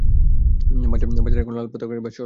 বাজারে এখন পাকা তাল বেশ সহজলভ্য।